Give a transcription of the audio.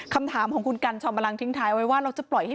คำถามของคุณกัลชอบมารังทิ้งท้ายว่า